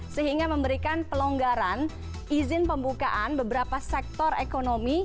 sehingga memberikan pelonggaran izin pembukaan beberapa sektor ekonomi